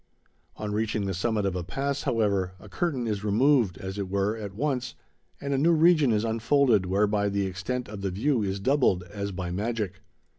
On reaching the summit of a pass, however, a curtain is removed, as it were, at once, and a new region is unfolded whereby the extent of the view is doubled as by magic.